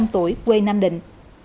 bốn mươi năm tuổi quê nam định